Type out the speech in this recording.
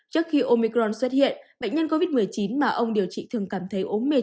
trước khi omicron xuất hiện bệnh nhân covid một mươi chín mà ông điều trị thường cảm thấy ốm mệt